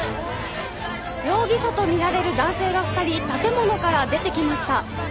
容疑者と見られる男性が２人建物から出てきました。